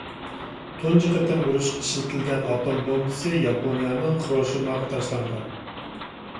تۇنجى قېتىم ئۇرۇشقا ئىشلىتىلگەن ئاتوم بومبىسى ياپونىيەنىڭ خىروشىماغا تاشلانغان.